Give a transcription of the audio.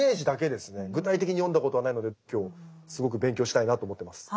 具体的に読んだことはないので今日すごく勉強したいなと思ってます。